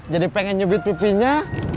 jadi pengen nyebit pipinya